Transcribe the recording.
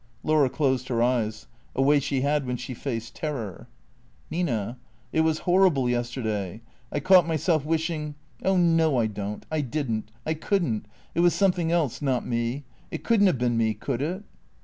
Laura closed her eyes; a way she had when she faced terror. " Nina, it was horrible yesterday. I caught myself wish ing Oh no, I don't; I didn't; I couldn't; it was some thing else, not me. It couldn't have been me, could it?"